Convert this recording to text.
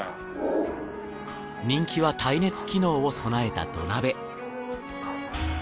人気は耐熱機能を備えた土鍋。